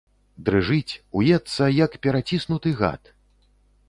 Дрыжыць, уецца, як пераціснуты гад.